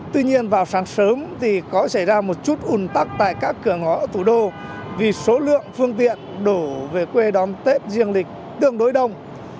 tuy nhiên vào sáng sớm thì có xảy ra một chút ủn tắc tại các cửa ngõ ở thủ đô vì số lượng phương tiện đổ về quê đón tết dương lịch tương đối đông